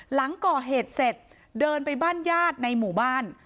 หลังก่อเหตุเสร็จเดินไปบ้านญาติในหมู่บ้าน